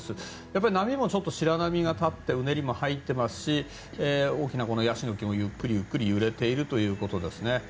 やっぱり波もちょっと白波が立ってうねりも入っていますし大きなヤシの木も、ゆっくり揺れているということですね。